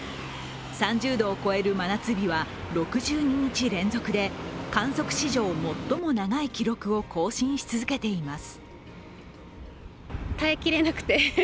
３０度を超える真夏日は６２日連続で観測史上最も長い記録を更新し続けています。